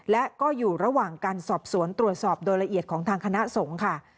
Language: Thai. และก็อยู่ระหว่างการสอบสวนตรวจสอบโดยละเอียดของทางคณะสงฆ์ค่ะ